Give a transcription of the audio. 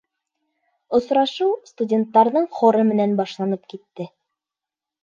Осрашыу студенттарҙың хоры менән башланып китте.